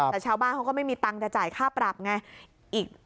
แต่ชาวบ้านเขาก็ไม่มีตังค์จะจ่ายค่าปรับไง